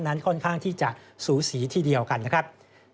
นั้นค่อนข้างที่จะสูสีทีเดียวกันนะครับ